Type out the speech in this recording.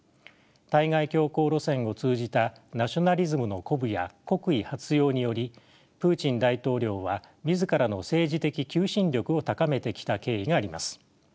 対外強硬路線を通じたナショナリズムの鼓舞や国威発揚によりプーチン大統領は自らの政治的求心力を高めてきた経緯があります。